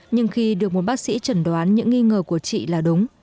nhưng khi được một bác sĩ chẩn đoán những nghi ngờ của chị là đúng